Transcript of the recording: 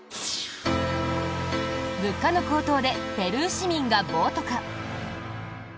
物価の高騰でペルー市民が暴徒化。